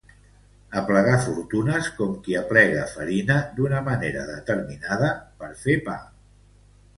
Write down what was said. Aplegar fortunes com qui aplega farina d'una manera determinada per fer pa.